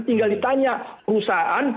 tinggal ditanya perusahaan